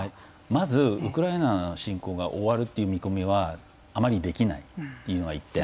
まずウクライナの侵攻が終わるという見込みはあまりできないというのが一点。